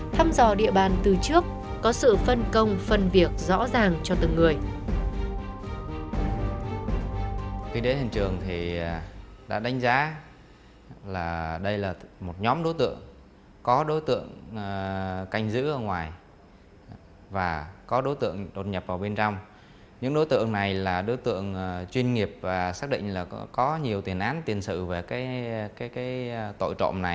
thăm dò địa bàn từ trước có sự phân công phân việc rõ ràng cho từng người